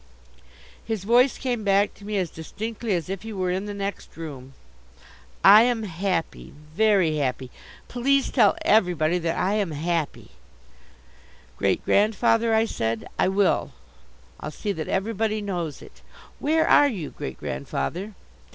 His voice came back to me as distinctly as if he were in the next room: "I am happy, very happy. Please tell everybody that I am happy." "Great grandfather," I said. "I will. I'll see that everybody knows it. Where are you, great grandfather?"